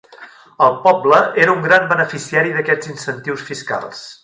El poble era un gran beneficiari d'aquests incentius fiscals.